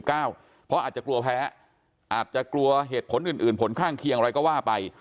เพราะอาจจะกลัวแพ้อาจจะกลัวเหตุผลอื่นผลข้างเคียงอะไรก็ว่าไป